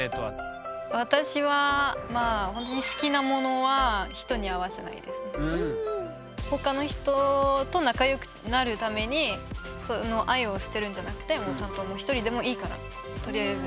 私はほんとに他の人と仲良くなるためにその愛を捨てるんじゃなくてもうちゃんと一人でもいいからとりあえず。